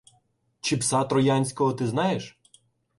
Чи пса троянського ти знаєш?